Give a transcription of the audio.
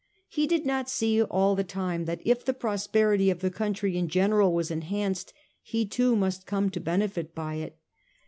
He did not see all the time that if the prosperity of the country in general was enhanced, he too must come to benefit by it.